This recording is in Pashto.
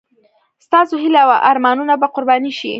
ستاسو هیلې او ارمانونه به قرباني شي.